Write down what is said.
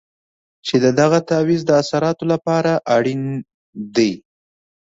چې د دغه تعویض د اثراتو لپاره اړین دی.